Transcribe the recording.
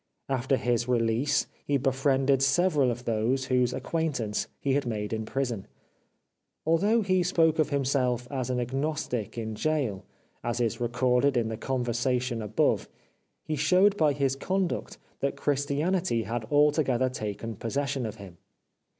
After his release he befriended several of those whose acquaintance he had made in prison. Although he spoke of himself as an agnostic in gaol, as is recorded in the conversation above, he showed by his conduct that Christianity had altogether taken possession of him.